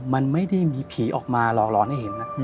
มันไม่ได้มีผีออกมาหลอกร้อนให้เห็นนะ